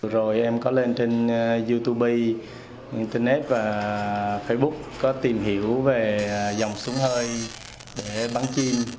rồi em có lên trên youtube internet và facebook có tìm hiểu về dòng súng hơi để bắn chim